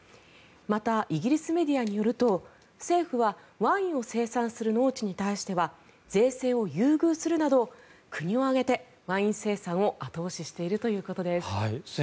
また、イギリスメディアによると政府はワインを生産する農地に対しては税制を優遇するなど国を挙げてワイン生産を後押ししているということです。